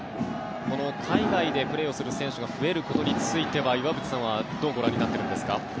海外でプレーする選手が増えることについては岩渕さんはどうご覧になっているんですか？